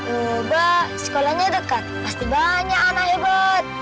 loba sekolahnya dekat pasti banyak anak hebat